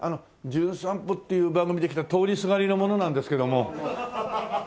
『じゅん散歩』っていう番組で来た通りすがりの者なんですけども。